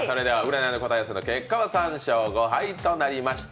占い答え合わせの結果は３勝５敗となりました。